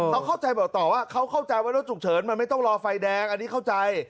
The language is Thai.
เขาเข้าใจบอกต่อว่าเขาเข้าใจว่ารถฉุกเฉินมันไม่ต้องรอไฟแดงอันนี้เข้าใจ